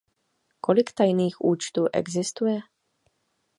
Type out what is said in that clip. Kolik tajných účtů existuje?